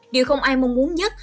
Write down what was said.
điều không ai mong muốn nhất